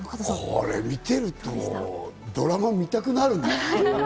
これ見てみると、ドラマ見たくなるね。